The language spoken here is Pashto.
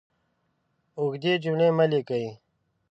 اوږدې جملې مه لیکئ!